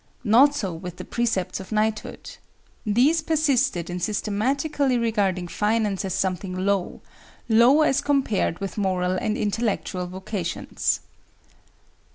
Not so with the Precepts of Knighthood. These persisted in systematically regarding finance as something low—low as compared with moral and intellectual vocations.